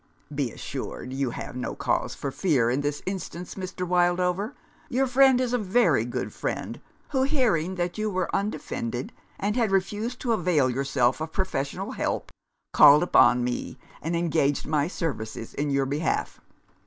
"Be assured you have no cause for fear in this instance, Mr. Wildover. Your friend is a very good friend, who, hearing that you were undefended and had refused to avail yourself of professional help, called upon me and engaged my services in your behalf.